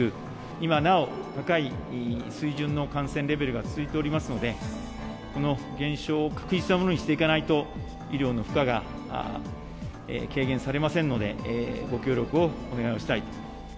今なお高い水準の感染レベルが続いておりますので、この減少を確実なものにしていかないと、医療の負荷が軽減されませんので、ご協力をお願いをしたいと。